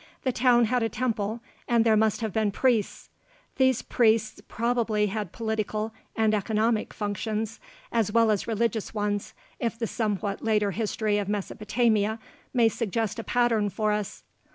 The town had a temple and there must have been priests. These priests probably had political and economic functions as well as religious ones, if the somewhat later history of Mesopotamia may suggest a pattern for us.